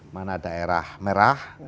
mana daerah merah